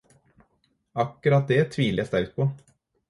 Akkurat det tviler jeg sterkt på.